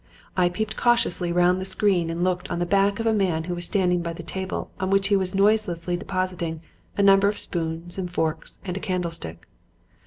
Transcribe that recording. I peeped cautiously round the screen and looked on the back of a man who was standing by the table on which he was noiselessly depositing a number of spoons and forks and a candlestick.